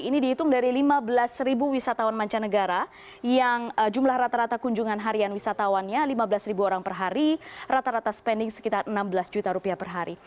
ini dihitung dari lima belas ribu wisatawan mancanegara yang jumlah rata rata kunjungan harian wisatawannya lima belas ribu orang per hari rata rata spending sekitar enam belas juta rupiah per hari